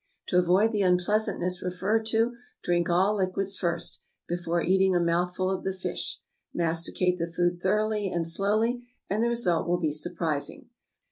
To avoid the unpleasantness referred to, drink all liquids first, before eating a mouthful of the fish; masticate the food thoroughly and slowly, and the result will be surprising.